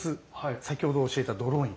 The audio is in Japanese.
先ほど教えたドローイン。